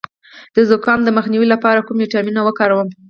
د زکام د مخنیوي لپاره کوم ویټامین وکاروم؟